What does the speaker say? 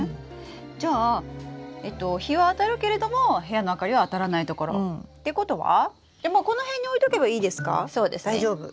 じゃあ日はあたるけれども部屋の明かりはあたらない所ってことはこの辺に置いとけばいいですか？大丈夫？